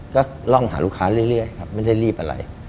ก็ล่องหาลูกค้าเรื่อยครับไม่ได้รีบอะไร